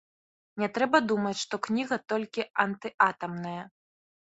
Не трэба думаць, што кніга толькі антыатамная.